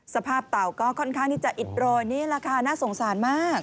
เต่าก็ค่อนข้างที่จะอิดโรยนี่แหละค่ะน่าสงสารมาก